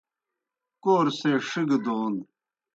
کور سے ݜگہ دون